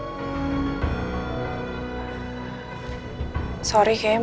aku mau pergi ke sana